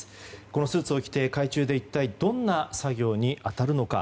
このスーツを着て海中で一体どんな作業に当たるのか。